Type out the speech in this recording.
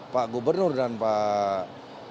pak gubernur dan pak